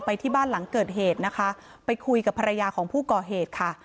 ที่บ้านหลังเกิดเหตุนะคะไปคุยกับภรรยาของผู้ก่อเหตุค่ะ